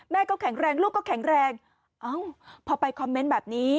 แม่ก็แข็งแรงลูกก็แข็งแรงพอไปคอมเมนต์แบบนี้